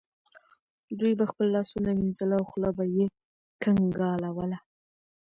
دوی به خپل لاسونه وینځل او خوله به یې کنګالوله.